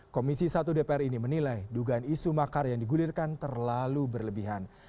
komisi satu dpr ini menilai dugaan isu makar yang digulirkan terlalu berlebihan